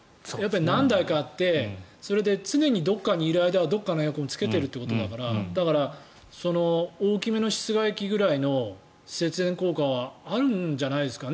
何台かあってそれで、常にどこかにいる間はどこかのエアコンをつけているということだから大きめの室外機ぐらいの節電効果はあるんじゃないですか